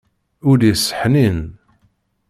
Ul-is ḥnin.